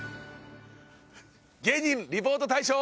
芸人リポート大賞。